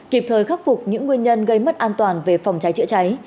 kịp thời khắc phục những nguyên nhân gây mất an toàn về phòng cháy chữa cháy